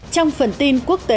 trong phần tin quốc tế